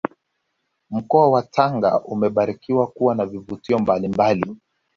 Mkoa wa Tanga umebarikiwa kuwa na vivutio mbalimbali